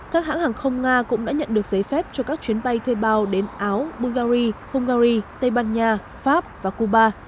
các hãng hàng không nga cũng đã nhận được giấy phép cho các chuyến bay thuê bao đến áo bulgari hungary tây ban nha pháp và cuba